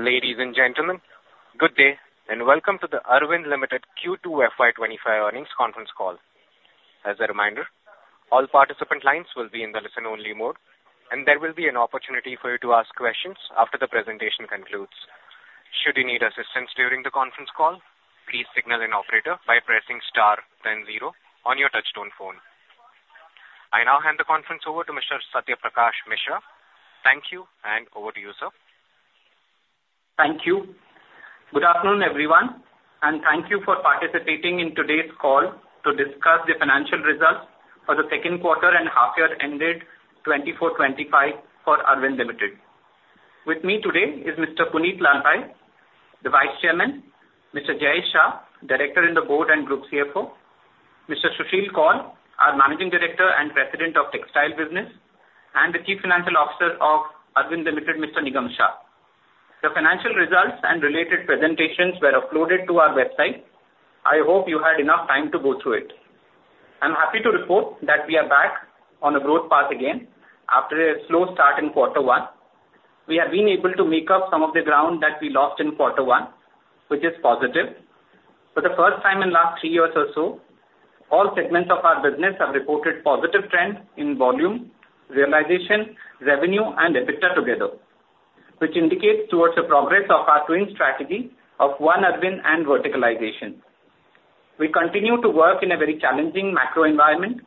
Ladies and gentlemen, good day and welcome to the Arvind Ltd Q2 FY25 earnings conference call. As a reminder, all participant lines will be in the listen-only mode, and there will be an opportunity for you to ask questions after the presentation concludes. Should you need assistance during the conference call, please signal an operator by pressing star then zero on your touch-tone phone. I now hand the conference over to Mr. Satya Prakash Mishra. Thank you, and over to you, sir. Thank you. Good afternoon, everyone, and thank you for participating in today's call to discuss the financial results for the second quarter and half-year ended 2024/2025 for Arvind Ltd. With me today is Mr. Punit Lalbhai, the Vice Chairman, Mr. Jayesh Shah, Director in the Board and Group CFO, Mr. Susheel Kaul, our Managing Director and President of Textile Business, and the Chief Financial Officer of Arvind Ltd, Mr. Nigam Shah. The financial results and related presentations were uploaded to our website. I hope you had enough time to go through it. I'm happy to report that we are back on a growth path again after a slow start in quarter one. We have been able to make up some of the ground that we lost in quarter one, which is positive. For the first time in the last three years or so, all segments of our business have reported positive trends in volume, realization, revenue, and EBITDA together, which indicates toward the progress of our twin strategy of One-Arvind and verticalization. We continue to work in a very challenging macro environment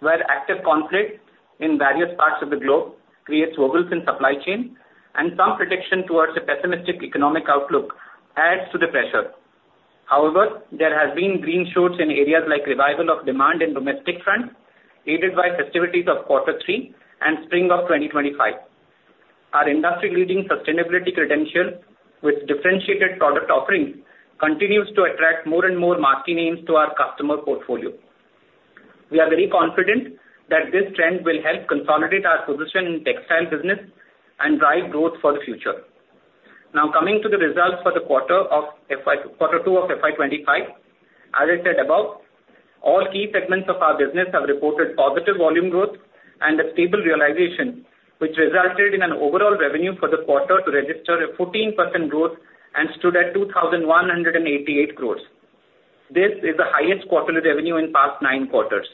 where active conflict in various parts of the globe creates wobbles in supply chain, and some prediction toward a pessimistic economic outlook adds to the pressure. However, there have been green shoots in areas like revival of demand in domestic front aided by festivities of quarter three and spring of 2025. Our industry-leading sustainability credentials with differentiated product offering continues to attract more and more marquee names to our customer portfolio. We are very confident that this trend will help consolidate our position in textile business and drive growth for the future. Now, coming to the results for the quarter two of FY25, as I said above, all key segments of our business have reported positive volume growth and a stable realization, which resulted in an overall revenue for the quarter to register a 14% growth and stood at 2,188 crores. This is the highest quarterly revenue in past nine quarters.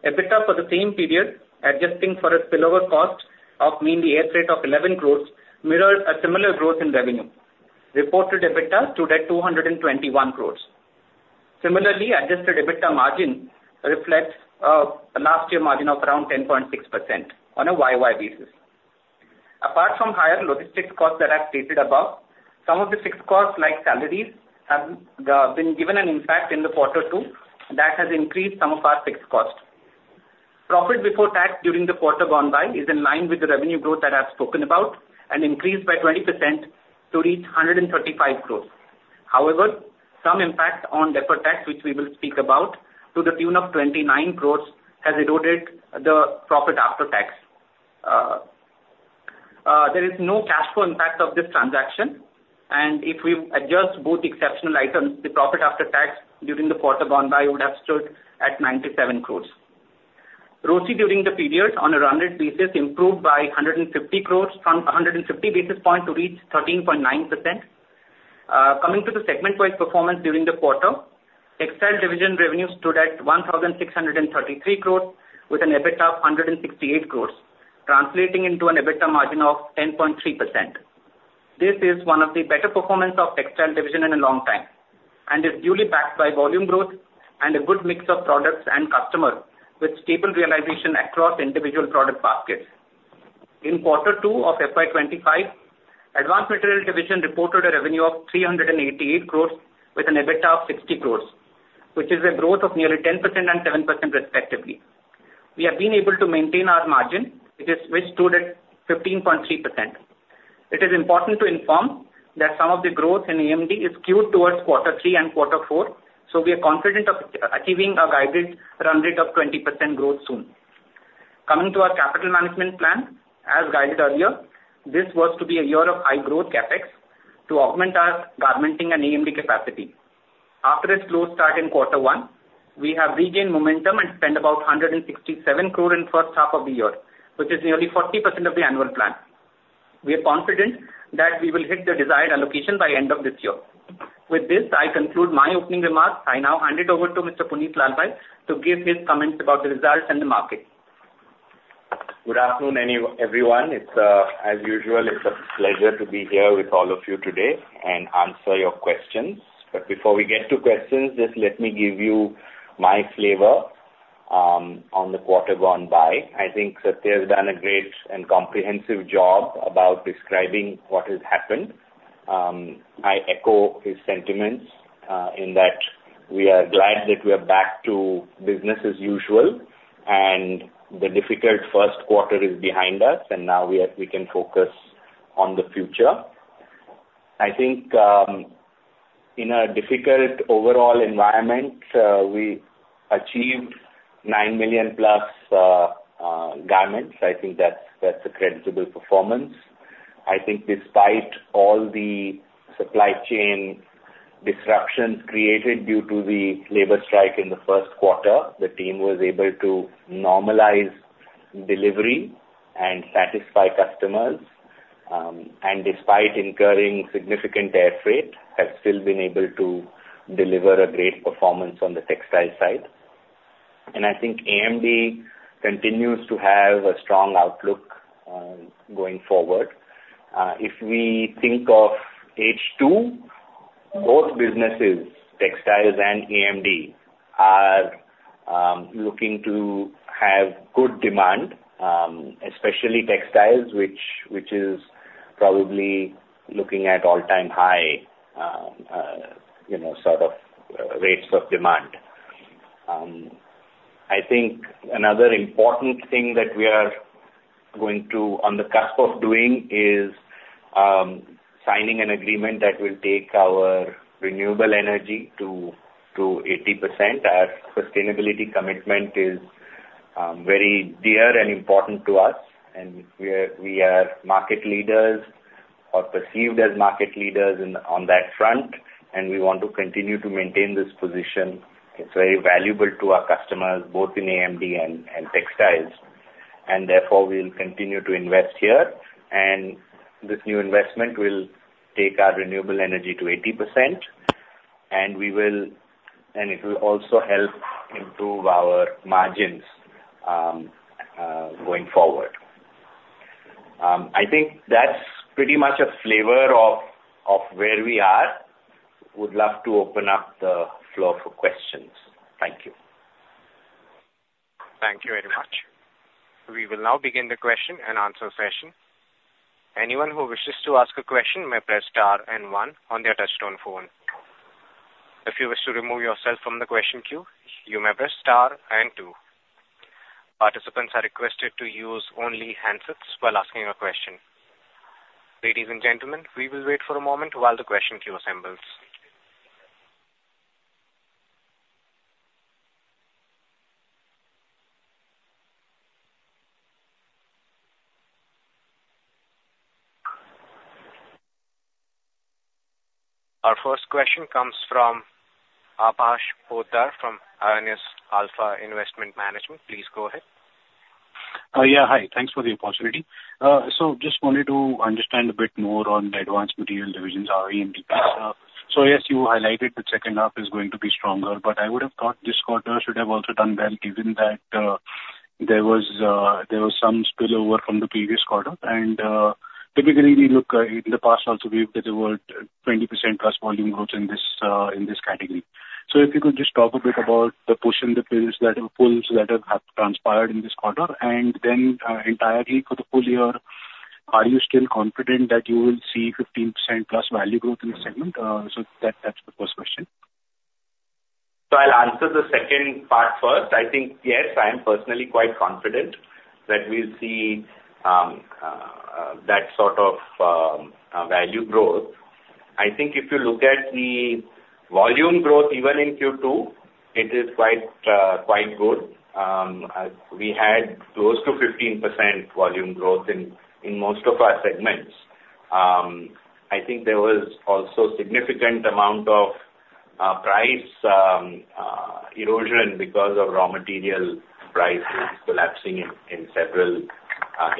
EBITDA for the same period, adjusting for a spillover cost of mainly air freight of 11 crores, mirrored a similar growth in revenue. Reported EBITDA stood at 221 crores. Similarly, adjusted EBITDA margin reflects a last-year margin of around 10.6% on a YoY basis. Apart from higher logistics costs that I've stated above, some of the fixed costs like salaries have been given an impact in the quarter two that has increased some of our fixed cost. Profit before tax during the quarter gone by is in line with the revenue growth that I've spoken about and increased by 20% to reach 135 crores. However, some impact on deferred tax, which we will speak about to the tune of 29 crores, has eroded the profit after tax. There is no cash flow impact of this transaction, and if we adjust both exceptional items, the profit after tax during the quarter gone by would have stood at 97 crores. ROCE during the period, on a rounded basis, improved by 150 basis points to reach 13.9%. Coming to the segment-wise performance during the quarter, Textile Division revenue stood at 1,633 crores with an EBITDA of 168 crores, translating into an EBITDA margin of 10.3%. This is one of the better performances of the Textile Division in a long time and is duly backed by volume growth and a good mix of products and customers with stable realization across individual product baskets. In quarter two of FY25, Advanced Materials Division reported a revenue of 388 crores with an EBITDA of 60 crores, which is a growth of nearly 10% and 7% respectively. We have been able to maintain our margin, which stood at 15.3%. It is important to inform that some of the growth in AMD is skewed towards quarter three and quarter four, so we are confident of achieving guidance around 20% growth soon. Coming to our capital management plan, as guided earlier, this was to be a year of high growth CapEx to augment our garmenting and AMD capacity. After its slow start in quarter one, we have regained momentum and spent about 167 crores in the first half of the year, which is nearly 40% of the annual plan. We are confident that we will hit the desired allocation by the end of this year. With this, I conclude my opening remarks. I now hand it over to Mr. Punit Lalbhai to give his comments about the results and the market. Good afternoon, everyone. As usual, it's a pleasure to be here with all of you today and answer your questions. But before we get to questions, just let me give you my flavor on the quarter gone by. I think Satya has done a great and comprehensive job about describing what has happened. I echo his sentiments in that we are glad that we are back to business as usual, and the difficult first quarter is behind us, and now we can focus on the future. I think in a difficult overall environment, we achieved nine million-plus garments. I think that's a credible performance. I think despite all the supply chain disruptions created due to the labour strike in the first quarter, the team was able to normalize delivery and satisfy customers. And despite incurring significant air freight, they have still been able to deliver a great performance on the textile side. And I think AMD continues to have a strong outlook going forward. If we think of H2, both businesses, textiles and AMD, are looking to have good demand, especially textiles, which is probably looking at all-time high sort of rates of demand. I think another important thing that we are going to, on the cusp of doing, is signing an agreement that will take our renewable energy to 80%. Our sustainability commitment is very dear and important to us, and we are market leaders or perceived as market leaders on that front, and we want to continue to maintain this position. It's very valuable to our customers, both in AMD and textiles. And therefore, we'll continue to invest here, and this new investment will take our renewable energy to 80%, and it will also help improve our margins going forward. I think that's pretty much a flavor of where we are. I would love to open up the floor for questions. Thank you. Thank you very much. We will now begin the question and answer session. Anyone who wishes to ask a question may press star and one on their touch-tone phone. If you wish to remove yourself from the question queue, you may press star and two. Participants are requested to use only handsets while asking a question. Ladies and gentlemen, we will wait for a moment while the question queue assembles. Our first question comes from Akash Poddar from Invesco Asset Management. Please go ahead. Yeah, hi. Thanks for the opportunity. So just wanted to understand a bit more on the Advanced Materials Division, AMD piece. So yes, you highlighted the second half is going to be stronger, but I would have thought this quarter should have also done well given that there was some spillover from the previous quarter. And typically, we look in the past also we've delivered 20% plus volume growth in this category. So if you could just talk a bit about the push and the pulls that have transpired in this quarter, and then entirely for the full year, are you still confident that you will see 15% plus value growth in this segment? So that's the first question. So I'll answer the second part first. I think, yes, I am personally quite confident that we'll see that sort of value growth. I think if you look at the volume growth, even in Q2, it is quite good. We had close to 15% volume growth in most of our segments. I think there was also a significant amount of price erosion because of raw material prices collapsing in several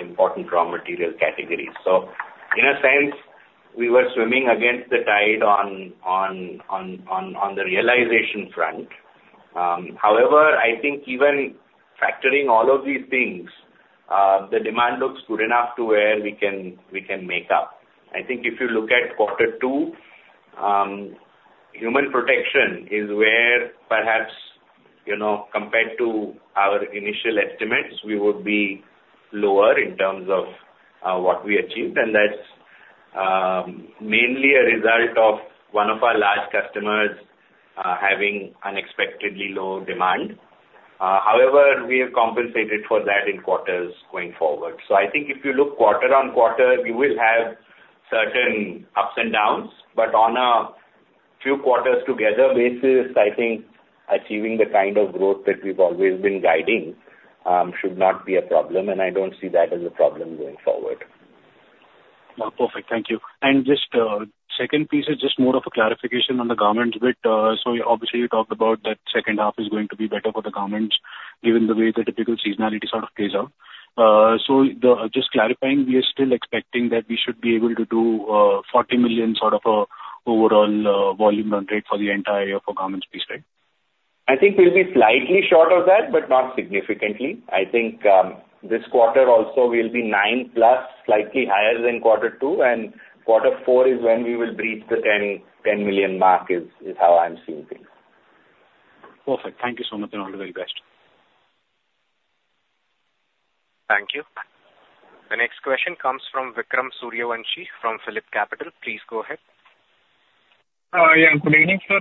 important raw material categories. So in a sense, we were swimming against the tide on the realization front. However, I think even factoring all of these things, the demand looks good enough to where we can make up. I think if you look at quarter two, Human Protection is where perhaps compared to our initial estimates, we would be lower in terms of what we achieved, and that's mainly a result of one of our large customers having unexpectedly low demand. However, we have compensated for that in quarters going forward. So I think if you look quarter-on-quarter, you will have certain ups and downs, but on a few quarters together basis, I think achieving the kind of growth that we've always been guiding should not be a problem, and I don't see that as a problem going forward. Perfect. Thank you. And just second piece is just more of a clarification on the garment bit. So obviously, you talked about that second half is going to be better for the garments given the way the typical seasonality sort of plays out. So just clarifying, we are still expecting that we should be able to do 40 million sort of an overall volume run rate for the entire garments piece, right? I think we'll be slightly short of that, but not significantly. I think this quarter also will be nine plus slightly higher than quarter two, and quarter four is when we will breach the 10 million mark is how I'm seeing things. Perfect. Thank you so much and all the very best. Thank you. The next question comes from Vikram Suryavanshi from PhillipCapital. Please go ahead. Yeah, good evening, sir.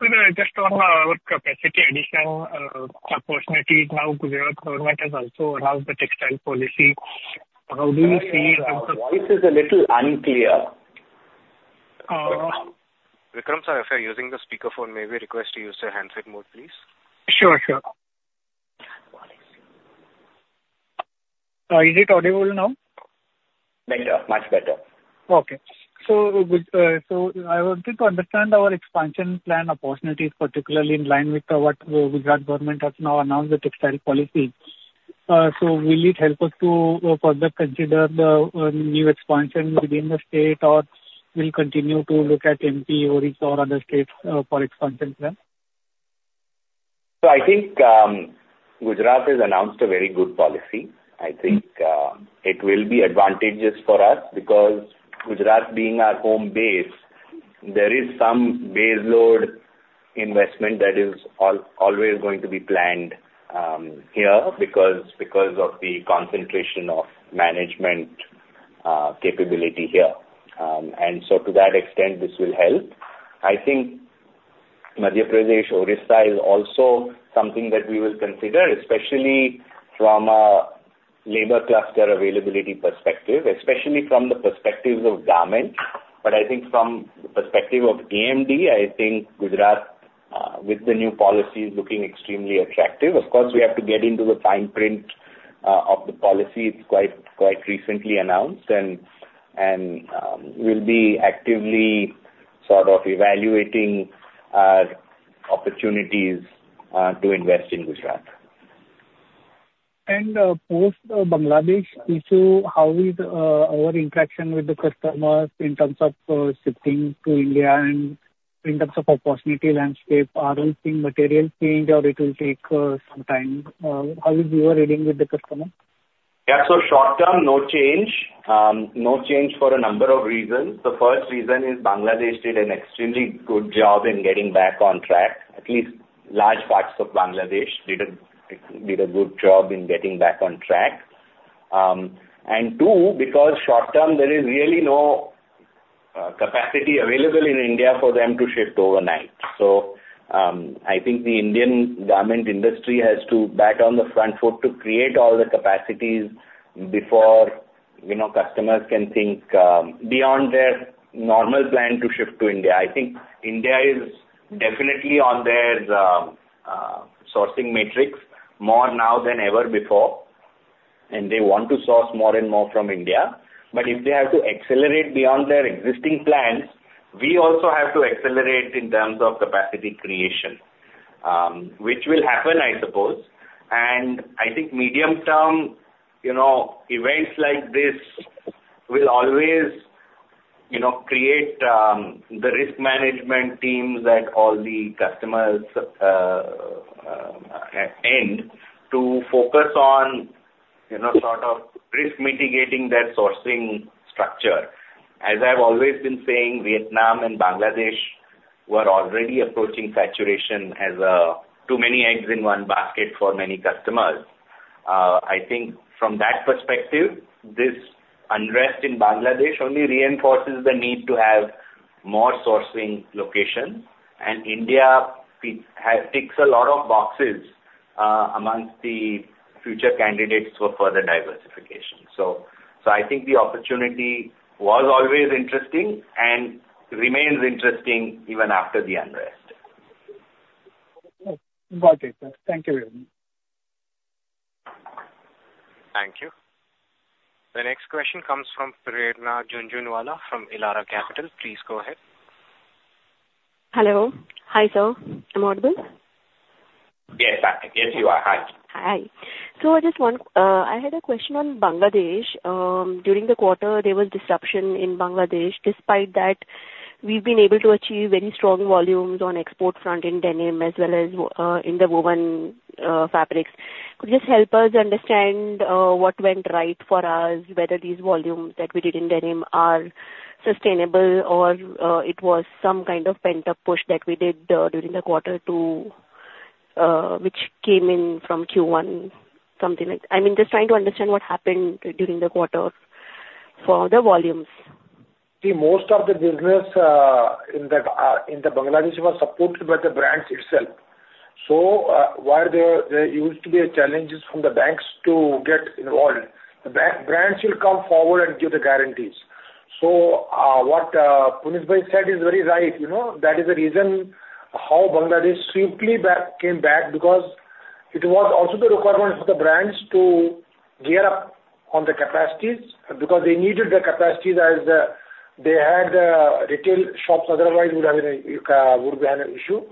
Just on our capacity addition opportunities now, Gujarat Government has also announced the textile policy. How do you see? The price is a little unclear. Vikram sir, if you're using the speakerphone, may we request to use the handset mode, please? Sure, sure. Is it audible now? Better. Much better. Okay. So I wanted to understand our expansion plan opportunities, particularly in line with what the Gujarat Government has now announced, the textile policy. So will it help us to further consider the new expansion within the state, or will we continue to look at MP or other states for expansion plan? So I think Gujarat has announced a very good policy. I think it will be advantageous for us because Gujarat being our home base, there is some base load investment that is always going to be planned here because of the concentration of management capability here. And so to that extent, this will help. I think Madhya Pradesh, Odisha is also something that we will consider, especially from a labour cluster availability perspective, especially from the perspectives of garments. But I think from the perspective of AMD, I think Gujarat with the new policy is looking extremely attractive. Of course, we have to get into the fine print of the policy. It's quite recently announced, and we'll be actively sort of evaluating our opportunities to invest in Gujarat. And post-Bangladesh issue, how is our interaction with the customers in terms of shifting to India and in terms of opportunity landscape? Are we seeing material change, or it will take some time? How is your reading with the customer? Yeah, so short term, no change. No change for a number of reasons. The first reason is Bangladesh did an extremely good job in getting back on track, at least large parts of Bangladesh did a good job in getting back on track. And two, because short term, there is really no capacity available in India for them to shift overnight. So I think the Indian garment industry has to get back on the front foot to create all the capacities before customers can think beyond their normal plan to shift to India. I think India is definitely on their sourcing matrix more now than ever before, and they want to source more and more from India. But if they have to accelerate beyond their existing plans, we also have to accelerate in terms of capacity creation, which will happen, I suppose. And I think medium-term events like this will always create the risk management teams at all the customers' end to focus on sort of risk mitigating that sourcing structure. As I've always been saying, Vietnam and Bangladesh were already approaching saturation as too many eggs in one basket for many customers. I think from that perspective, this unrest in Bangladesh only reinforces the need to have more sourcing locations, and India ticks a lot of boxes amongst the future candidates for further diversification. So I think the opportunity was always interesting and remains interesting even after the unrest. Got it. Thank you very much. Thank you. The next question comes from Prerna Jhunjhunwala from Elara Capital. Please go ahead. Hello. Hi, sir. Am I audible? Yes, yes, you are. Hi. Hi. So I had a question on Bangladesh. During the quarter, there was disruption in Bangladesh. Despite that, we've been able to achieve very strong volumes on export front in denim as well as in the woven fabrics. Could you just help us understand what went right for us, whether these volumes that we did in denim are sustainable, or it was some kind of pent-up push that we did during the quarter two, which came in from Q1, something like that? I mean, just trying to understand what happened during the quarter for the volumes. See, most of the business in Bangladesh was supported by the brands itself. So where there used to be challenges from the banks to get involved, the brands will come forward and give the guarantees. So what Punitbhai said is very right. That is the reason how Bangladesh swiftly came back because it was also the requirement for the brands to gear up on the capacities because they needed the capacities as they had retail shops. Otherwise, we would have an issue.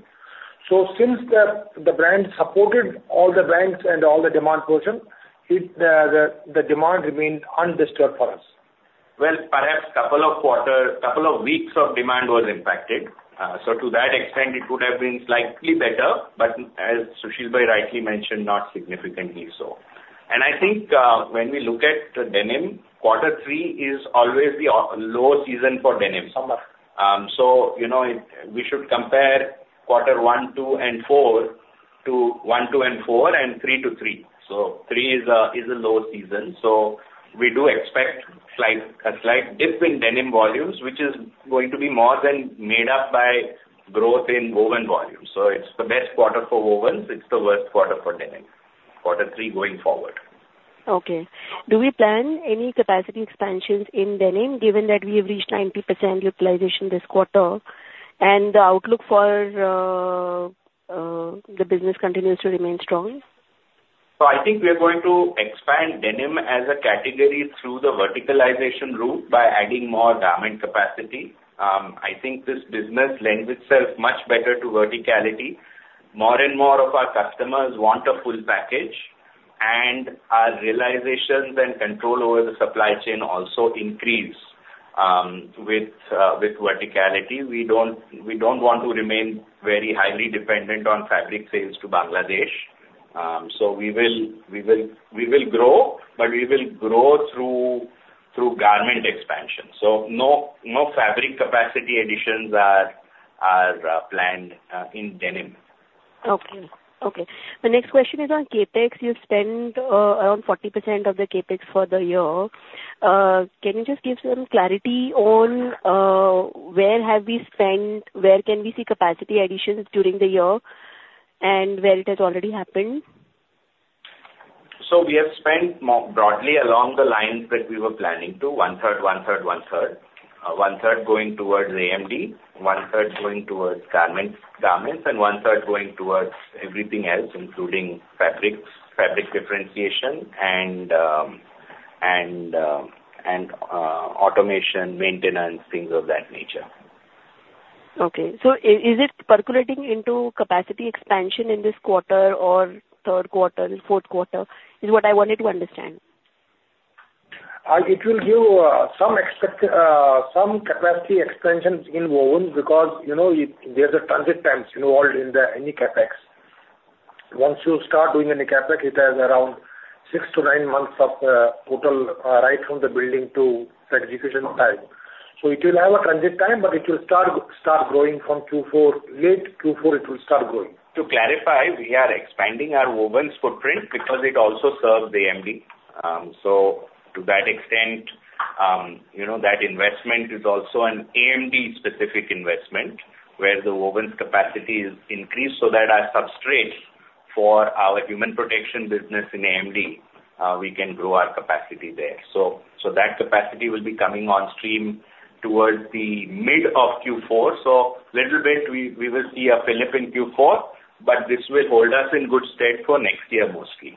So since the brands supported all the banks and all the demand portion, the demand remained undisturbed for us. Perhaps a couple of quarters, a couple of weeks of demand was impacted. To that extent, it would have been slightly better, but as Susheelbhai rightly mentioned, not significantly so. I think when we look at denim, quarter three is always the low season for denim. We should compare quarter one, two, and four to one, two, and four, and three to three. Three is a low season. We do expect a slight dip in denim volumes, which is going to be more than made up by growth in woven volumes. It's the best quarter for wovens. It's the worst quarter for denim. Quarter three going forward. Okay. Do we plan any capacity expansions in denim given that we have reached 90% utilization this quarter and the outlook for the business continues to remain strong? So I think we are going to expand denim as a category through the verticalization route by adding more garment capacity. I think this business lends itself much better to verticality. More and more of our customers want a full package, and our realizations and control over the supply chain also increase with verticality. We don't want to remain very highly dependent on fabric sales to Bangladesh. So we will grow, but we will grow through garment expansion. So no fabric capacity additions are planned in denim. Okay. The next question is on CapEx. You spend around 40% of the CapEx for the year. Can you just give some clarity on where have we spent? Where can we see capacity additions during the year, and where it has already happened? So we have spent broadly along the line that we were planning to: one-third, one-third, one-third. One-third going towards AMD, one-third going towards garments, and one-third going towards everything else, including fabrics, fabric differentiation, and automation, maintenance, things of that nature. Okay. So is it percolating into capacity expansion in this quarter or third quarter, fourth quarter? It's what I wanted to understand. It will give some capacity expansions in woven because there's a transit time involved in any CapEx. Once you start doing any CapEx, it has around six to nine months of total right from the building to execution time, so it will have a transit time, but it will start growing from Q4. Late Q4, it will start growing. To clarify, we are expanding our wovens' footprint because it also serves AMD. So to that extent, that investment is also an AMD-specific investment where the wovens' capacity is increased so that our substrate for our Human Protection business in AMD, we can grow our capacity there. So that capacity will be coming on stream towards the mid of Q4. So a little bit, we will see a flip in Q4, but this will hold us in good stead for next year mostly.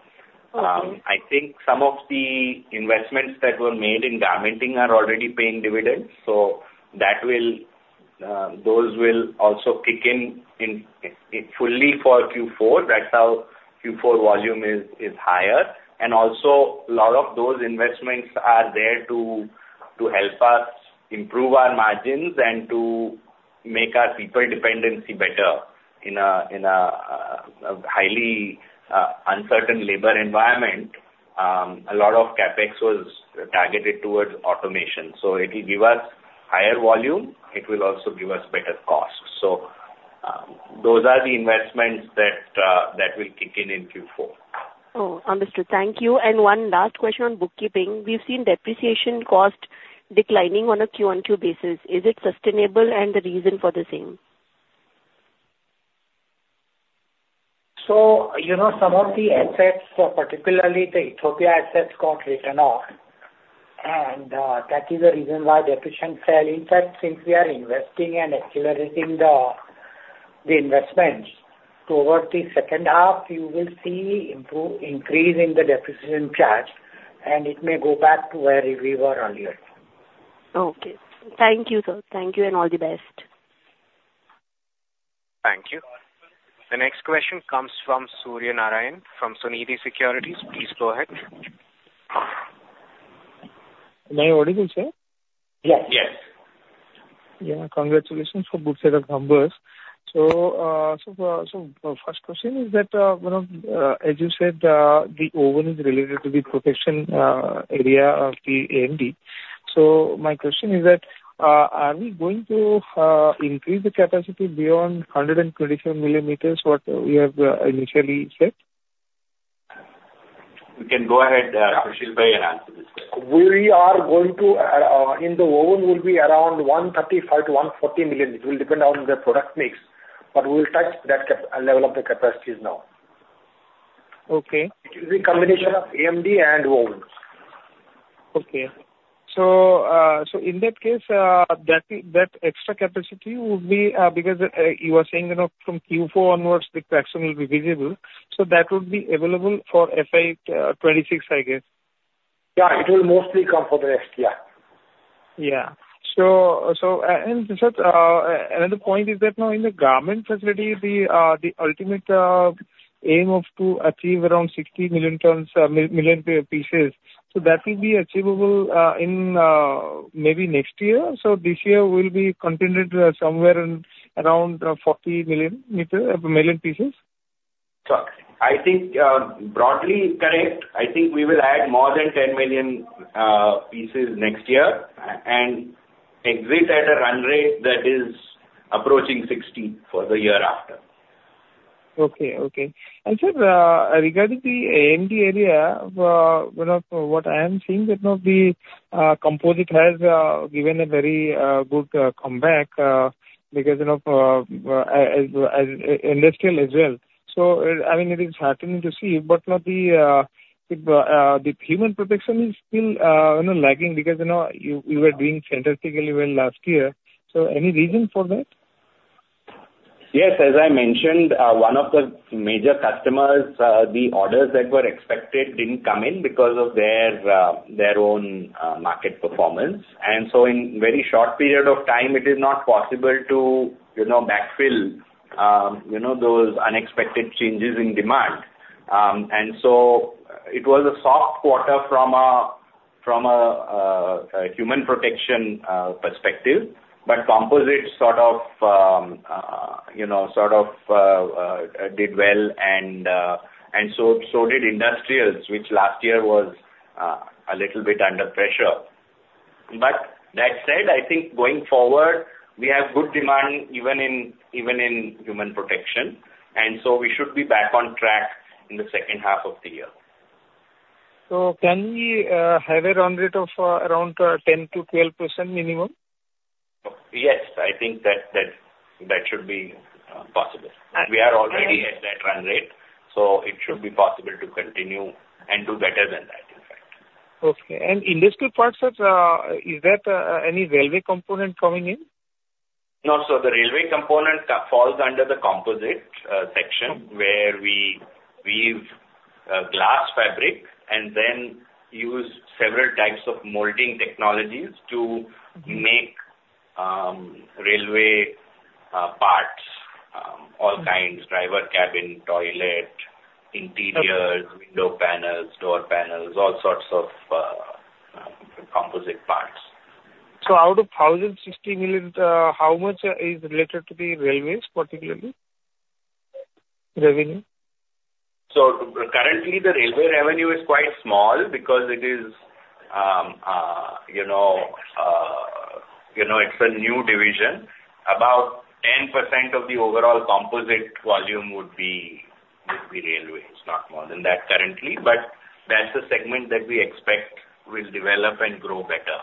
I think some of the investments that were made in garmenting are already paying dividends. So those will also kick in fully for Q4. That's how Q4 volume is higher. And also, a lot of those investments are there to help us improve our margins and to make our people dependency better. In a highly uncertain labour environment, a lot of CapEx was targeted towards automation. So it will give us higher volume. It will also give us better costs. So those are the investments that will kick in in Q4. Oh, understood. Thank you, and one last question on bookkeeping. We've seen depreciation cost declining on a Q1, Q2 basis. Is it sustainable, and the reason for the same? So some of the assets, particularly the Ethiopia assets, got written off, and that is the reason why the exceptional loss. In fact, since we are investing and accelerating the investments towards the second half, you will see an increase in the depreciation charge, and it may go back to where we were earlier. Okay. Thank you, sir. Thank you, and all the best. Thank you. The next question comes from Suryanarayan from Sunidhi Securities. Please go ahead. May I order this, sir? Yes. Yes. Yeah. Congratulations for good set of numbers. So first question is that, as you said, the wovens is related to the protection area of the AMD. So my question is that, are we going to increase the capacity beyond 127 million meters, what we have initially said? You can go ahead. Susheelbhai has answered this question. We are going to in the woven. It will be around 135-140 million meters. It will depend on the product mix, but we will touch that level of the capacities now. Okay. It will be a combination of AMD and wovens. Okay, so in that case, that extra capacity will be because you were saying from Q4 onwards, the tax will be visible, so that would be available for FY26, I guess. Yeah. It will mostly come for the next year. Yeah. And another point is that now in the garment facility, the ultimate aim of to achieve around 60 million pieces. So that will be achievable in maybe next year. So this year will be contingent somewhere around 40 million pieces. So I think broadly correct. I think we will add more than 10 million pieces next year and exit at a run rate that is approaching 60 for the year after. Okay. Okay. And sir, regarding the AMD area, what I am seeing that the composites have given a very good comeback because of Industrials as well. So I mean, it is heartening to see, but the Human Protection is still lagging because you were doing fantastically well last year. So any reason for that? Yes. As I mentioned, one of the major customers, the orders that were expected didn't come in because of their own market performance. And so in a very short period of time, it is not possible to backfill those unexpected changes in demand. And so it was a soft quarter from a Human Protection perspective, but composite sort of did well, and so did Industrials, which last year was a little bit under pressure. But that said, I think going forward, we have good demand even in Human Protection, and so we should be back on track in the second half of the year. Can we have a run rate of around 10%-12% minimum? Yes. I think that should be possible. We are already at that run rate, so it should be possible to continue and do better than that, in fact. Okay, and industrial parts, sir, is that any railway component coming in? No. So, the railway component falls under the Composites section where we weave glass fabric and then use several types of molding technologies to make railway parts, all kinds: driver cabin, toilet, interiors, window panels, door panels, all sorts of composite parts. So out of 160 million, how much is related to the railways, particularly revenue? Currently, the railway revenue is quite small because it is a new division. About 10% of the overall composite volume would be railways. Not more than that currently, but that's the segment that we expect will develop and grow better.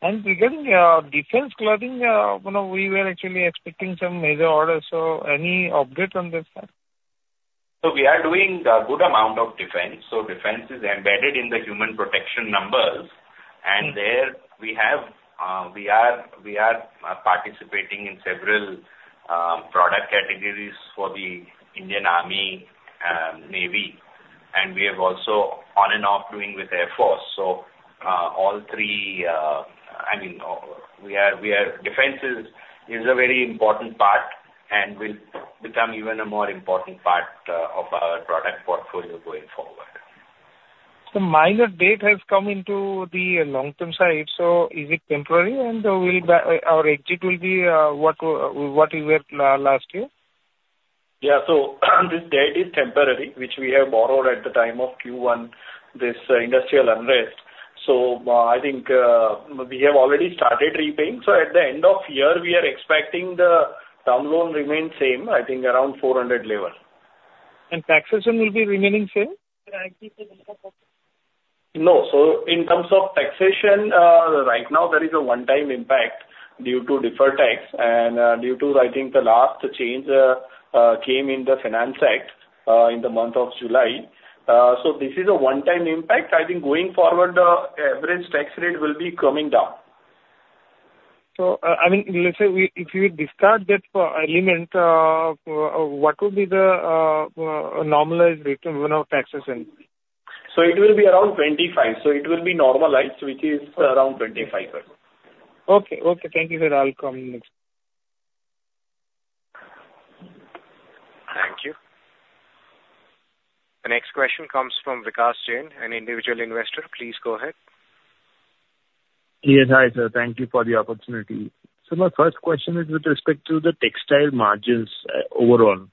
Regarding defence clothing, we were actually expecting some major orders. Any update on this? So we are doing a good amount of defence. So defence is embedded in the Human Protection numbers, and there we are participating in several product categories for the Indian Army, Indian Navy, and we are also on and off doing with Indian Air Force. So all three, I mean, defence is a very important part and will become even a more important part of our product portfolio going forward. So, minor debt has come into the long-term side. So is it temporary, and our exit will be what we were last year? Yeah. So this debt is temporary, which we have borrowed at the time of Q1, this industrial unrest. So I think we have already started repaying. So at the end of year, we are expecting the debt load remain same, I think around 400 level. Taxation will be remaining same? No. So in terms of taxation, right now, there is a one-time impact due to deferred tax and due to, I think, the last change came in the Finance Act in the month of July. So this is a one-time impact. I think going forward, the average tax rate will be coming down. I mean, let's say if you discard that element, what will be the normalized rate of taxation? So it will be around 25. So it will be normalized, which is around 25. Okay. Okay. Thank you, sir. I'll come next. Thank you. The next question comes from Vikas Jain, an individual investor. Please go ahead. Yes. Hi, sir. Thank you for the opportunity. So my first question is with respect to the textile margins overall,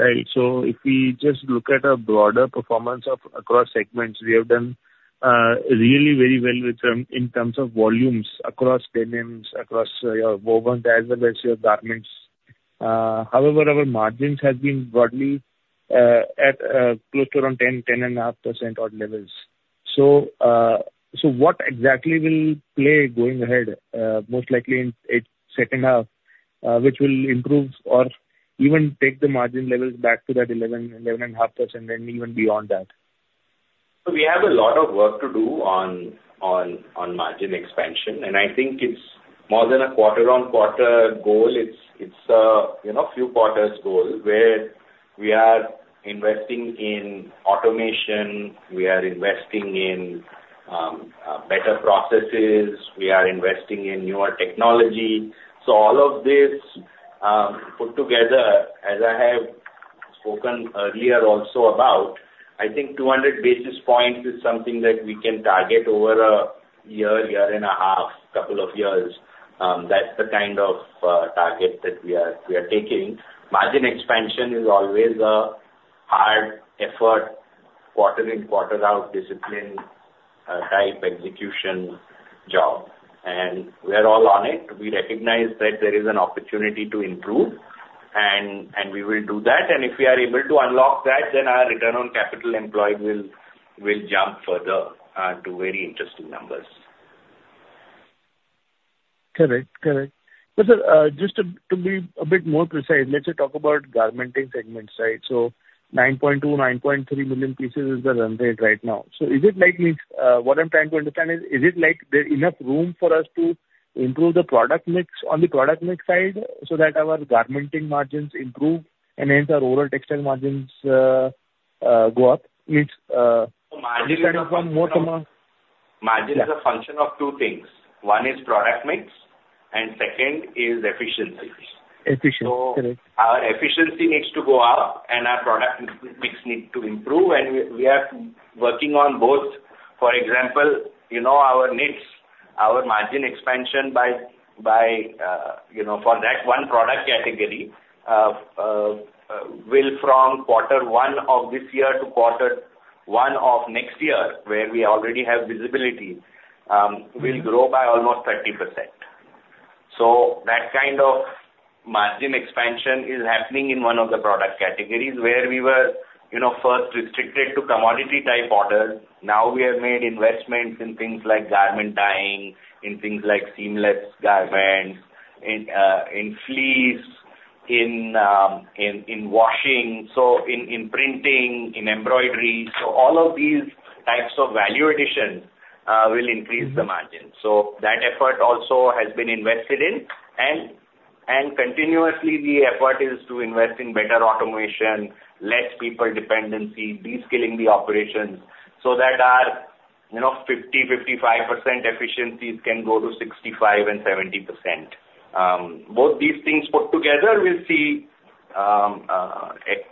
right? So if we just look at a broader performance across segments, we have done really very well in terms of volumes across denims, across wovens as well as your garments. However, our margins have been broadly at close to around 10%-10.5% odd levels. So what exactly will play going ahead, most likely in the second half, which will improve or even take the margin levels back to that 11%-11.5% and even beyond that? So we have a lot of work to do on margin expansion, and I think it's more than a quarter-on-quarter goal. It's a few quarters goal where we are investing in automation. We are investing in better processes. We are investing in newer technology. So all of this put together, as I have spoken earlier also about, I think 200 basis points is something that we can target over a year, year and a half, couple of years. That's the kind of target that we are taking. Margin expansion is always a hard effort, quarter in quarter out discipline type execution job, and we are all on it. We recognize that there is an opportunity to improve, and we will do that. And if we are able to unlock that, then our return on capital employed will jump further to very interesting numbers. Correct. Correct. Well, sir, just to be a bit more precise, let's talk about garmenting segments, right? So 9.2 million-9.3 million pieces is the run rate right now. So what I'm trying to understand is, is it like there's enough room for us to improve the product mix on the product mix side so that our garmenting margins improve and hence our overall textile margins go up? I mean, is it kind of more? Margin is a function of two things. One is product mix, and second is efficiency. Efficiency. Correct. Our efficiency needs to go up, and our product mix needs to improve, and we are working on both. For example, our knits, our margin expansion for that one product category will, from quarter one of this year to quarter one of next year, where we already have visibility, will grow by almost 30%. So that kind of margin expansion is happening in one of the product categories where we were first restricted to commodity type orders. Now we have made investments in things like garment dyeing, in things like seamless garments, in fleece, in washing, so in printing, in embroidery. So all of these types of value additions will increase the margin. That effort also has been invested in, and continuously, the effort is to invest in better automation, less people dependency, de-skilling the operations so that our 50%-55% efficiencies can go to 65%-70%. Both these things put together, we'll see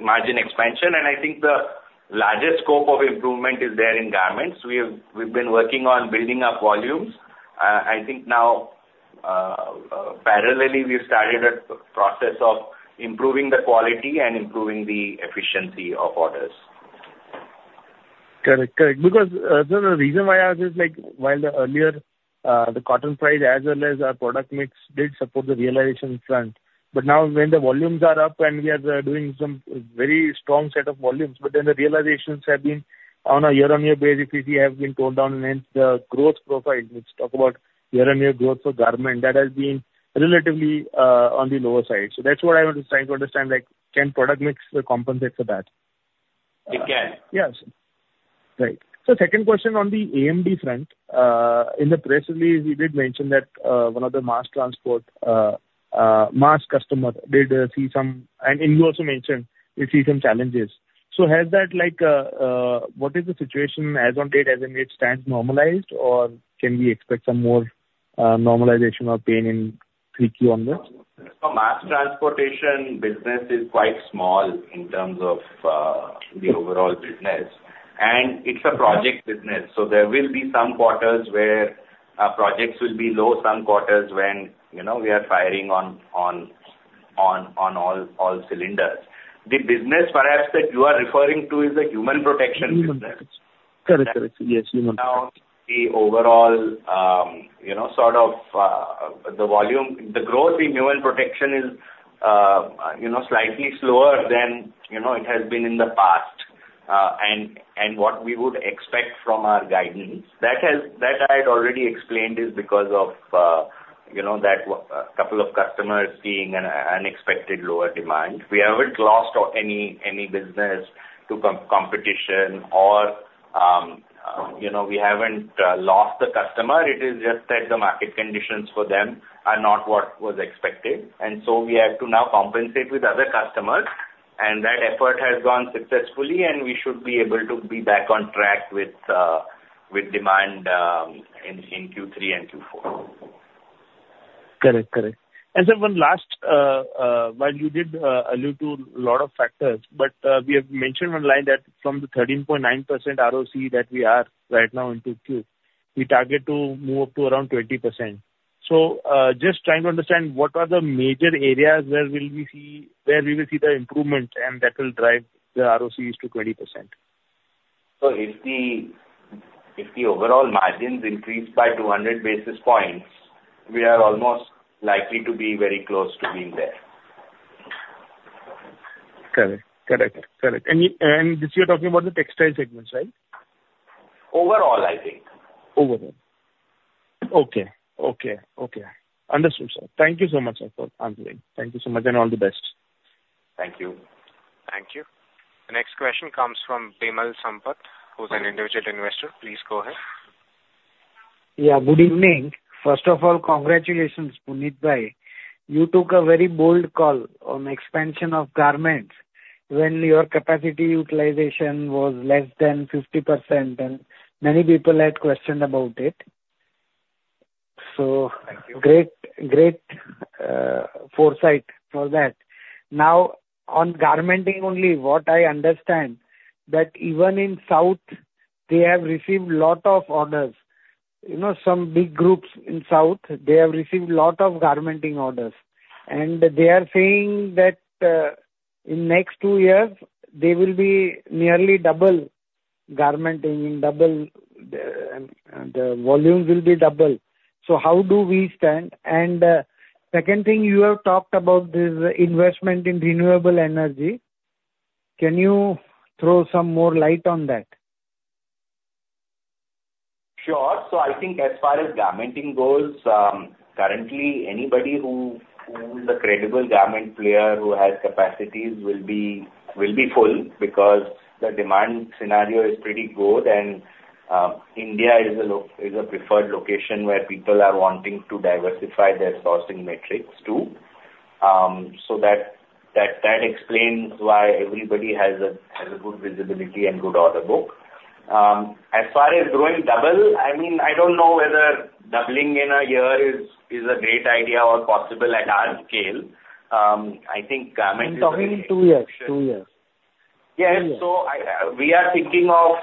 margin expansion, and I think the largest scope of improvement is there in garments. We've been working on building up volumes. I think now, parallelly, we've started a process of improving the quality and improving the efficiency of orders. Correct. Correct. Because the reason why I ask is, while earlier, the cotton price as well as our product mix did support the realization front, but now when the volumes are up and we are doing some very strong set of volumes, but then the realizations have been on a year-on-year basis, we have been toned down, and hence the growth profile. Let's talk about year-on-year growth for garment. That has been relatively on the lower side. So that's what I want to try to understand. Can product mix compensate for that? It can. Yes. Right. So, second question on the AMD front. In the press release, you did mention that one of the mass transport customers did see some, and you also mentioned you see some challenges. So, has that, what is the situation as on date as it stands, normalized, or can we expect some more normalization or pain in 3Q on this? So mass transportation business is quite small in terms of the overall business, and it's a project business. So there will be some quarters where projects will be low, some quarters when we are firing on all cylinders. The business perhaps that you are referring to is the Human Protection business. Correct. Correct. Yes. Human Protection. Now, the overall sort of the growth in Human Protection is slightly slower than it has been in the past, and what we would expect from our guidance. That I had already explained is because of that couple of customers seeing an unexpected lower demand. We haven't lost any business to competition, or we haven't lost the customer. It is just that the market conditions for them are not what was expected, and so we have to now compensate with other customers, and that effort has gone successfully, and we should be able to be back on track with demand in Q3 and Q4. Correct. And sir, one last while you did allude to a lot of factors, but we have mentioned one line that from the 13.9% ROCE that we are right now in 2Q, we target to move up to around 20%. So just trying to understand what are the major areas where we will see the improvement, and that will drive the ROCE to 20%? So if the overall margins increase by 200 basis points, we are almost likely to be very close to being there. Correct. Correct. Correct, and this you're talking about the textile segments, right? Overall, I think. Okay. Okay. Okay. Understood, sir. Thank you so much, sir, for answering. Thank you so much, and all the best. Thank you. Thank you. The next question comes from Vimal Sampat, who's an individual investor. Please go ahead. Yeah. Good evening. First of all, congratulations, Punit Bhai. You took a very bold call on expansion of garments when your capacity utilization was less than 50%, and many people had questioned about it. So great foresight for that. Now, on garmenting only, what I understand that even in South, they have received a lot of orders. Some big groups in South, they have received a lot of garmenting orders, and they are saying that in next two years, there will be nearly double garmenting, and the volume will be double. So how do we stand? And second thing, you have talked about this investment in renewable energy. Can you throw some more light on that? Sure. So I think as far as garmenting goes, currently, anybody who is a credible garment player who has capacities will be full because the demand scenario is pretty good, and India is a preferred location where people are wanting to diversify their sourcing metrics too. So that explains why everybody has a good visibility and good order book. As far as growing double, I mean, I don't know whether doubling in a year is a great idea or possible at our scale. I think garmenting. You're talking in two years. Two years. Yes. So we are thinking of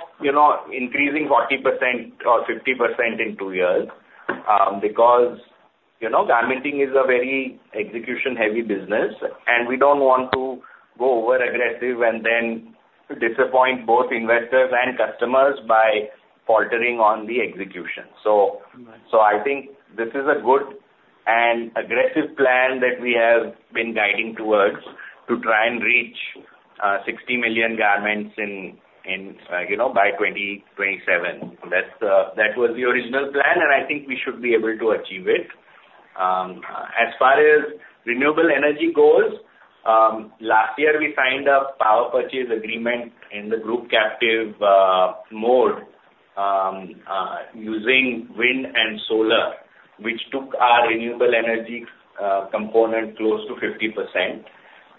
increasing 40% or 50% in two years because garmenting is a very execution-heavy business, and we don't want to go overly aggressive and then disappoint both investors and customers by faltering on the execution. So I think this is a good and aggressive plan that we have been guiding towards to try and reach 60 million garments by 2027. That was the original plan, and I think we should be able to achieve it. As far as renewable energy goals, last year, we signed a power purchase agreement in the group captive mode using wind and solar, which took our renewable energy component close to 50%.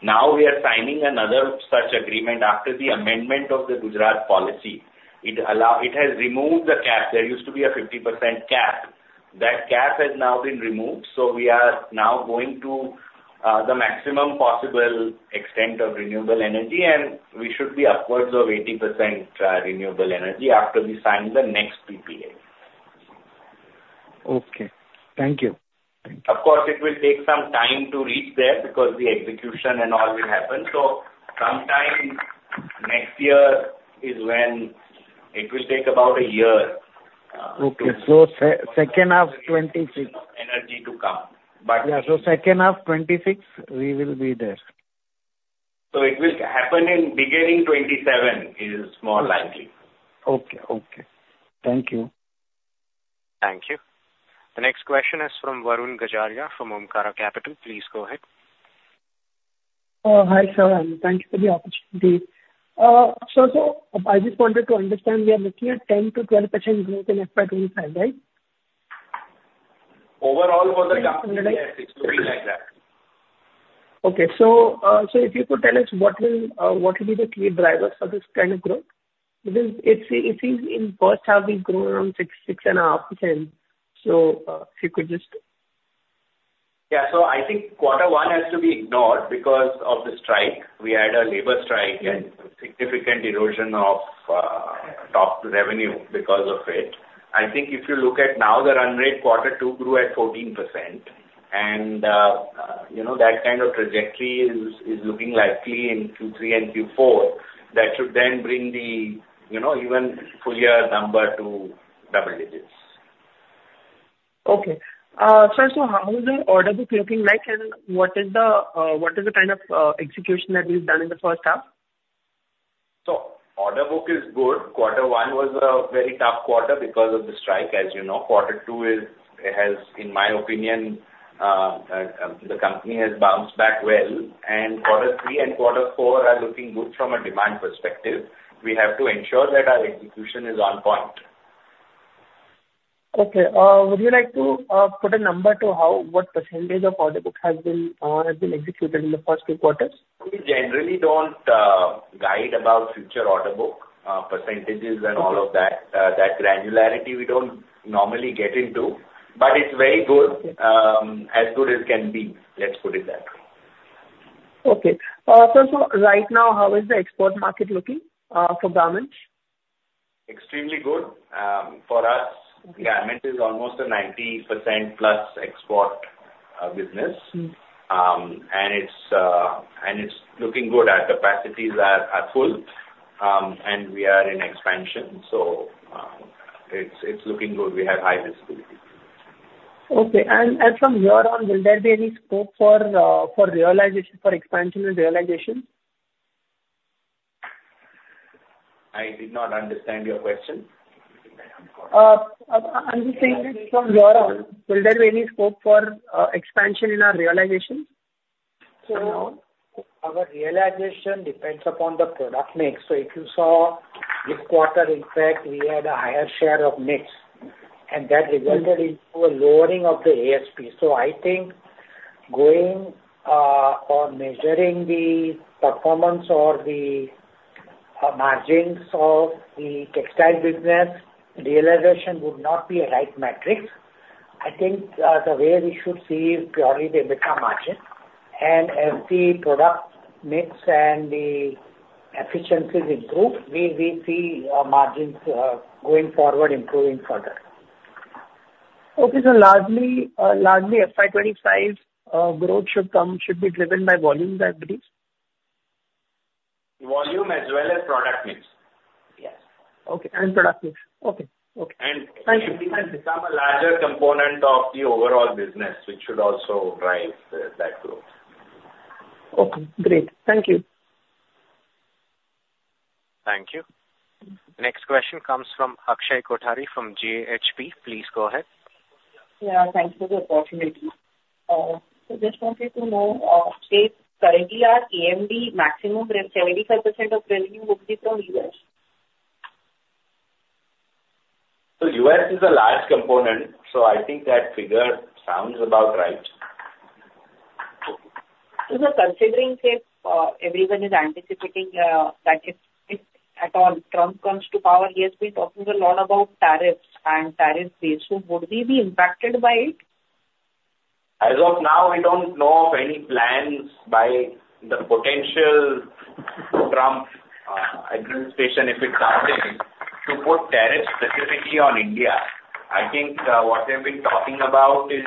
Now we are signing another such agreement after the amendment of the Gujarat policy. It has removed the cap. There used to be a 50% cap. That cap has now been removed, so we are now going to the maximum possible extent of renewable energy, and we should be upwards of 80% renewable energy after we sign the next PPA. Okay. Thank you. Of course, it will take some time to reach there because the execution and all will happen. So sometime next year is when it will take about a year to reach. Okay. So second half 2026. Energy to come. Yeah. So second half 2026, we will be there. It will happen in beginning 2027 is more likely. Okay. Okay. Thank you. Thank you. The next question is from Varun Gajaria from Omkara Capital. Please go ahead. Hi, sir. Thank you for the opportunity. Sir, so I just wanted to understand, we are looking at 10%-12% growth in FY 2025, right? Overall for the government, yes. It's looking like that. Okay. So if you could tell us what will be the key drivers for this kind of growth? Because it seems in first half, we've grown around 6.5%. So if you could just. Yeah. So I think quarter one has to be ignored because of the strike. We had a labour strike and significant erosion of top revenue because of it. I think if you look at now, the run rate quarter two grew at 14%, and that kind of trajectory is looking likely in Q3 and Q4. That should then bring the even full year number to double digits. Okay. Sir, so how is the order book looking like, and what is the kind of execution that we've done in the first half? So order book is good. Quarter one was a very tough quarter because of the strike, as you know. Quarter two has, in my opinion, the company has bounced back well, and quarter three and quarter four are looking good from a demand perspective. We have to ensure that our execution is on point. Okay. Would you like to put a number to what percentage of order book has been executed in the first two quarters? We generally don't guide about future order book percentages and all of that. That granularity, we don't normally get into, but it's very good, as good as can be. Let's put it that way. Okay. Sir, so right now, how is the export market looking for garments? Extremely good. For us, garment is almost a 90% plus export business, and it's looking good. Our capacities are full, and we are in expansion, so it's looking good. We have high visibility. Okay. And from here on, will there be any scope for realization, for expansion and realization? I did not understand your question. I'm just saying that from here on, will there be any scope for expansion in our realization? So our realization depends upon the product mix. So if you saw this quarter, in fact, we had a higher share of mix, and that resulted in a lowering of the ASP. So I think going or measuring the performance or the margins of the textile business, realization would not be a right metric. I think the way we should see is purely the mid-term margin, and as the product mix and the efficiencies improve, we see margins going forward, improving further. Okay. So largely, FY 2025 growth should be driven by volumes, I believe? Volume as well as product mix. Yes. Okay. And product mix. Okay. Okay. It should be some larger component of the overall business, which should also drive that growth. Okay. Great. Thank you. Thank you. Next question comes from Akshay Kothari from GHP. Please go ahead. Yeah. Thank you for the opportunity. So just wanted to know, K, currently, our AMD maximum risk, 75% of revenue will be from U.S. So U.S. is a large component, so I think that figure sounds about right. So considering if everyone is anticipating that if at all Trump comes to power, he has been talking a lot about tariffs and tariff base, so would we be impacted by it? As of now, we don't know of any plans by the potential Trump administration if it's something to put tariffs specifically on India. I think what we have been talking about is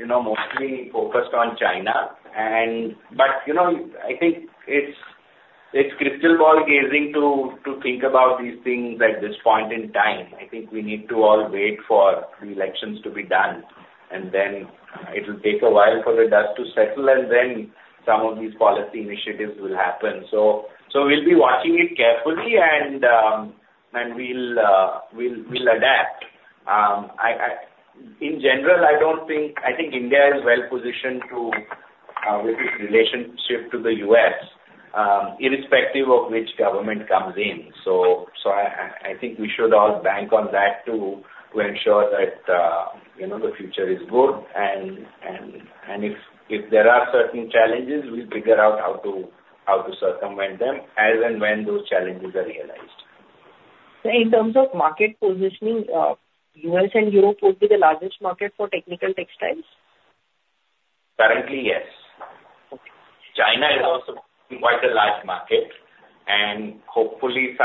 mostly focused on China, but I think it's crystal ball gazing to think about these things at this point in time. I think we need to all wait for the elections to be done, and then it will take a while for the dust to settle, and then some of these policy initiatives will happen. So we'll be watching it carefully, and we'll adapt. In general, I think India is well positioned with its relationship to the U.S., irrespective of which government comes in. So I think we should all bank on that to ensure that the future is good, and if there are certain challenges, we'll figure out how to circumvent them as and when those challenges are realized. In terms of market positioning, U.S. and Europe would be the largest market for technical textiles? Currently, yes. China is also quite a large market, and hopefully,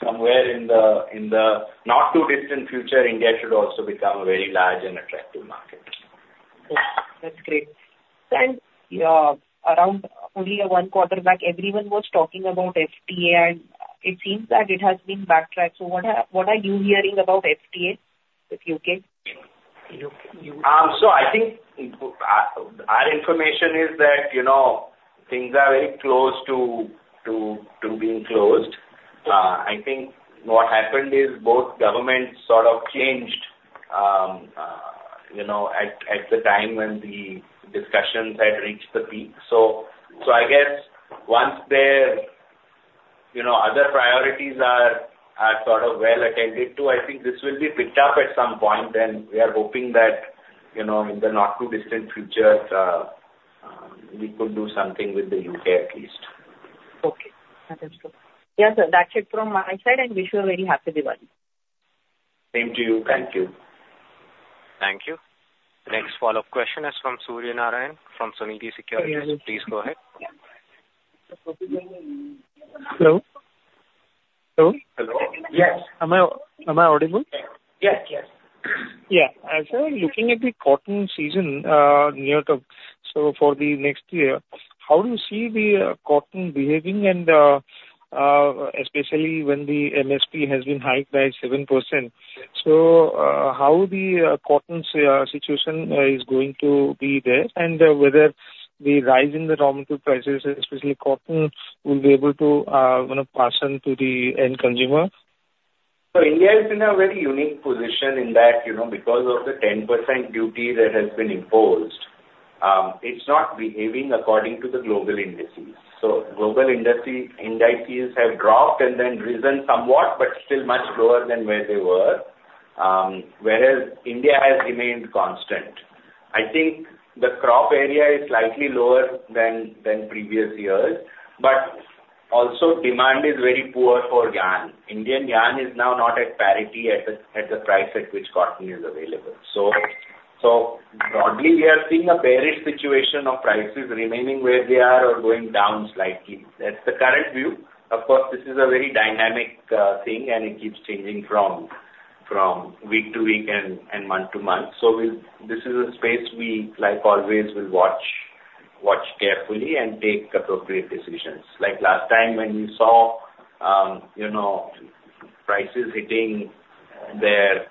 somewhere in the not-too-distant future, India should also become a very large and attractive market. That's great, and around only one quarter back, everyone was talking about FTA, and it seems that it has been backtracked, so what are you hearing about FTA with U.K.? So I think our information is that things are very close to being closed. I think what happened is both governments sort of changed at the time when the discussions had reached the peak. So I guess once their other priorities are sort of well attended to, I think this will be picked up at some point, and we are hoping that in the not-too-distant future, we could do something with the U.K. at least. Okay. Understood. Yeah. So that's it from my side, and wish you a very happy dividend. Same to you. Thank you. Thank you. The next follow-up question is from Suryanarayan from Sunidhi Securities. Please go ahead. Hello. Hello. Hello. Yes. Am I audible? Yes. Yes. Yeah. As I was looking at the cotton season near to, so for the next year, how do you see the cotton behaving, and especially when the MSP has been hiked by 7%, so how the cotton situation is going to be there, and whether the rise in the raw material prices, especially cotton, will be able to pass on to the end consumer? So India is in a very unique position in that because of the 10% duty that has been imposed, it's not behaving according to the global indices. So global indices have dropped and then risen somewhat, but still much lower than where they were, whereas India has remained constant. I think the crop area is slightly lower than previous years, but also demand is very poor for yarn. Indian yarn is now not at parity at the price at which cotton is available. So broadly, we are seeing a bearish situation of prices remaining where they are or going down slightly. That's the current view. Of course, this is a very dynamic thing, and it keeps changing from week to week and month to month. So this is a space we, like always, will watch carefully and take appropriate decisions. Like last time when we saw prices hitting their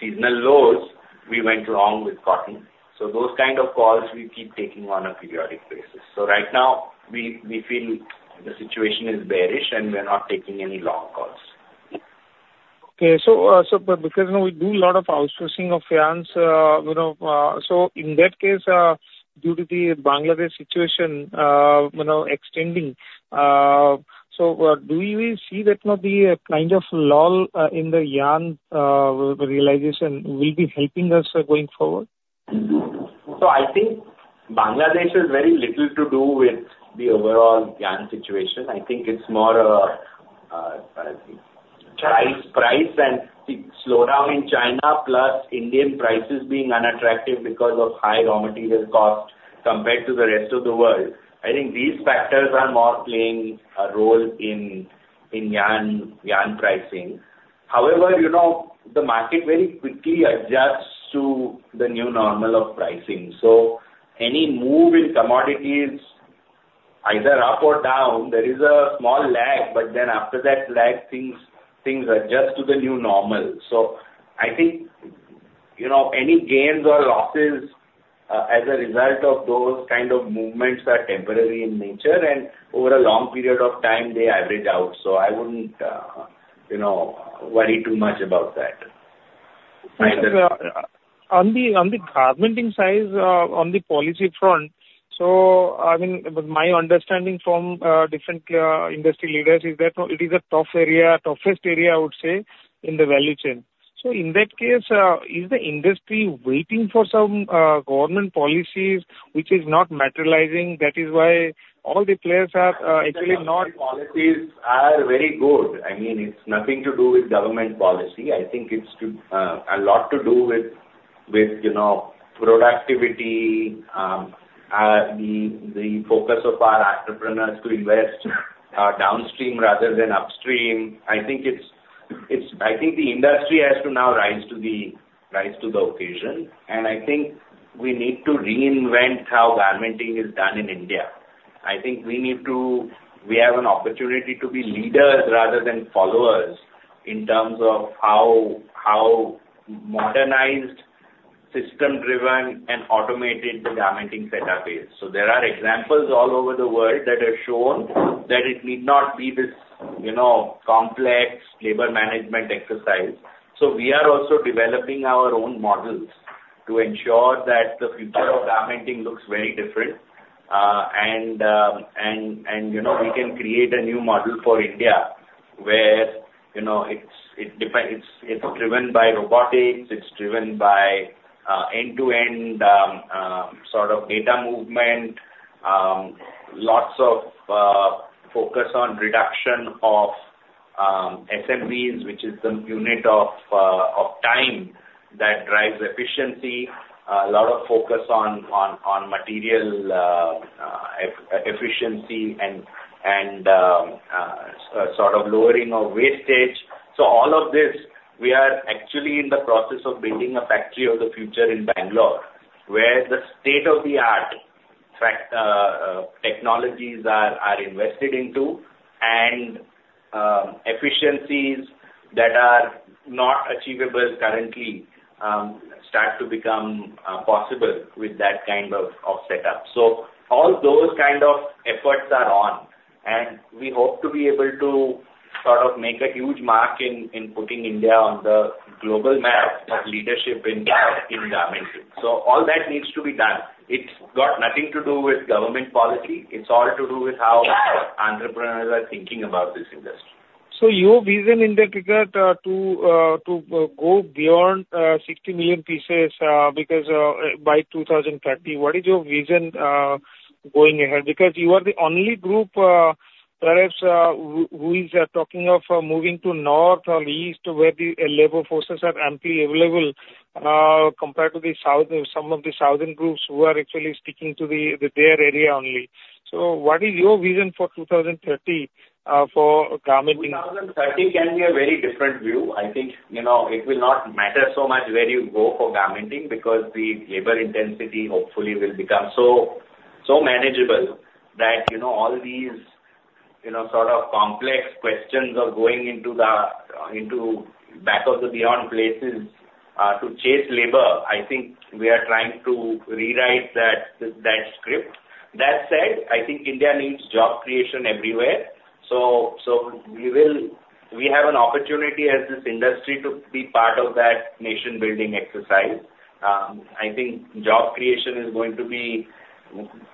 seasonal lows, we went long with cotton. So those kind of calls we keep taking on a periodic basis. So right now, we feel the situation is bearish, and we are not taking any long calls. Okay. So because we do a lot of outsourcing of yarns, so in that case, due to the Bangladesh situation extending, so do you see that the kind of lull in the yarn realization will be helping us going forward? So I think Bangladesh has very little to do with the overall yarn situation. I think it's more price and slowdown in China plus Indian prices being unattractive because of high raw material cost compared to the rest of the world. I think these factors are more playing a role in yarn pricing. However, the market very quickly adjusts to the new normal of pricing. So any move in commodities, either up or down, there is a small lag, but then after that lag, things adjust to the new normal. So I think any gains or losses as a result of those kind of movements are temporary in nature, and over a long period of time, they average out. So I wouldn't worry too much about that. On the carbon thing side, on the policy front, so I mean, my understanding from different industry leaders is that it is a tough area, toughest area, I would say, in the value chain. So in that case, is the industry waiting for some government policies which are not materializing? That is why all the players are actually not. Policies are very good. I mean, it's nothing to do with government policy. I think it's a lot to do with productivity, the focus of our entrepreneurs to invest downstream rather than upstream. I think the industry has to now rise to the occasion, and I think we need to reinvent how garmenting is done in India. I think we need to have an opportunity to be leaders rather than followers in terms of how modernized, system-driven, and automated the garmenting setup is. So there are examples all over the world that have shown that it need not be this complex labour management exercise. So we are also developing our own models to ensure that the future of garmenting looks very different, and we can create a new model for India where it's driven by robotics, it's driven by end-to-end sort of data movement, lots of focus on reduction of SMV, which is the unit of time that drives efficiency, a lot of focus on material efficiency, and sort of lowering of wastage. So all of this, we are actually in the process of building a factory of the future in Bengaluru where the state-of-the-art technologies are invested into, and efficiencies that are not achievable currently start to become possible with that kind of setup. So all those kind of efforts are on, and we hope to be able to sort of make a huge mark in putting India on the global map of leadership in garmenting. So all that needs to be done. It's got nothing to do with government policy. It's all to do with how entrepreneurs are thinking about this industry. So, your vision in that regard to go beyond 60 million pieces by 2030, what is your vision going ahead? Because you are the only group, perhaps, who is talking of moving to north or east where the labour forces are amply available compared to some of the southern groups who are actually sticking to their area only. So, what is your vision for 2030 for garmenting? 2030 can be a very different view. I think it will not matter so much where you go for garmenting because the labour intensity hopefully will become so manageable that all these sort of complex questions of going into back-of-the-beyond places to chase labour. I think we are trying to rewrite that script. That said, I think India needs job creation everywhere. So we have an opportunity as this industry to be part of that nation-building exercise. I think job creation is going to be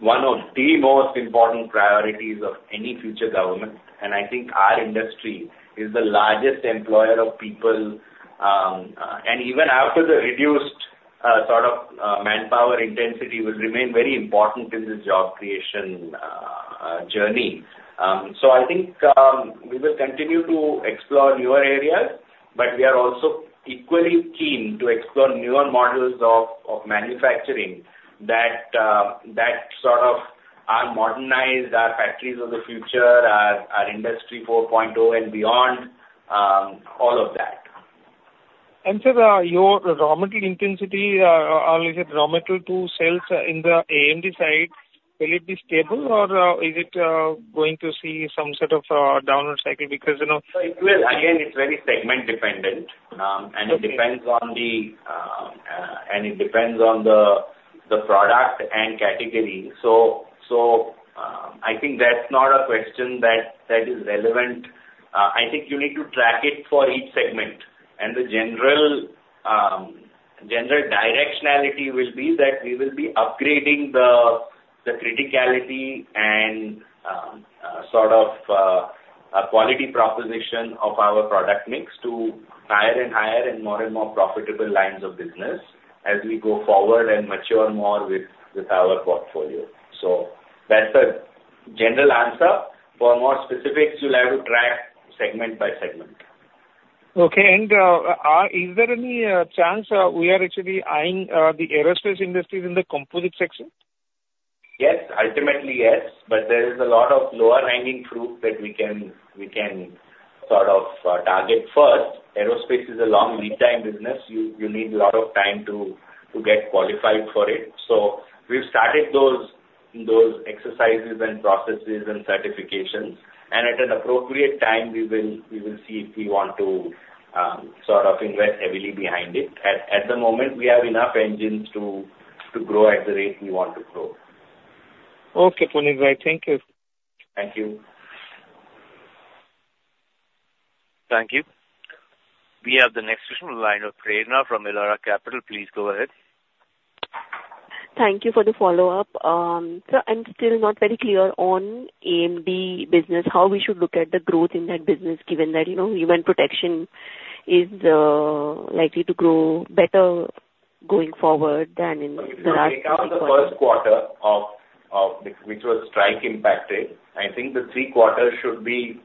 one of the most important priorities of any future government, and I think our industry is the largest employer of people, and even after the reduced sort of manpower intensity will remain very important in this job creation journey. So I think we will continue to explore newer areas, but we are also equally keen to explore newer models of manufacturing that sort of are modernized, our Factories of the Future, our Industry 4.0, and beyond, all of that. And so your raw material intensity, or is it raw material to sales in the AMD side, will it be stable, or is it going to see some sort of downward cycle? Because. Again, it's very segment-dependent, and it depends on the product and category. I think that's not a question that is relevant. I think you need to track it for each segment, and the general directionality will be that we will be upgrading the criticality and sort of quality proposition of our product mix to higher and higher and more and more profitable lines of business as we go forward and mature more with our portfolio. That's the general answer. For more specifics, you'll have to track segment by segment. Okay. And is there any chance we are actually eyeing the aerospace industry in the Composites section? Yes. Ultimately, yes, but there is a lot of lower-hanging fruit that we can sort of target first. Aerospace is a long lead-time business. You need a lot of time to get qualified for it. So we've started those exercises and processes and certifications, and at an appropriate time, we will see if we want to sort of invest heavily behind it. At the moment, we have enough engines to grow at the rate we want to grow. Okay. Thank you. Thank you. Thank you. We have the next question from Prerna from Elara Capital. Please go ahead. Thank you for the follow-up. I'm still not very clear on AMD business, how we should look at the growth in that business, given that Human Protection is likely to grow better going forward than in the last. In the first quarter, which was strike-impacted, I think the three quarters should be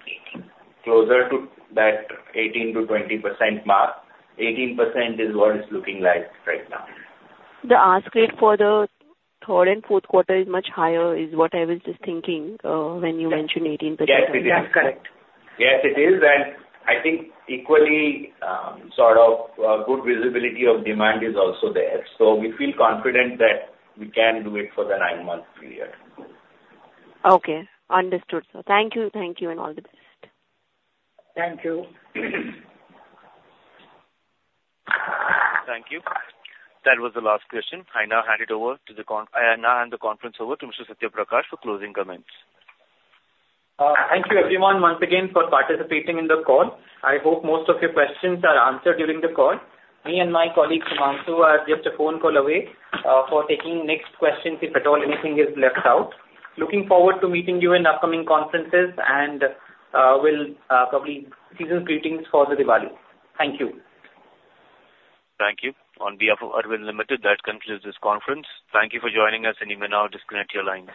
closer to that 18%-20% mark. 18% is what it's looking like right now. The ask rate for the third and fourth quarter is much higher, is what I was just thinking when you mentioned 18%. Yes, it is. That's correct. Yes, it is. And I think equally sort of good visibility of demand is also there. So we feel confident that we can do it for the nine-month period. Okay. Understood. Thank you. Thank you, and all the best. Thank you. Thank you. That was the last question. I now hand the conference over to Mr. Satya Prakash for closing comments. Thank you, everyone, once again, for participating in the call. I hope most of your questions are answered during the call. Me and my colleague, Sumanto, are just a phone call away for taking next questions if at all anything is left out. Looking forward to meeting you in upcoming conferences and will probably season's greetings for Diwali. Thank you. Thank you. On behalf of Arvind Limited, that concludes this conference. Thank you for joining us, and you may now disconnect your line.